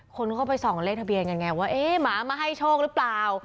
คนเข้าไปส่องเลขทะเบียนกันไงว่าเอ๊ะหมามาให้โชคหรือเปล่า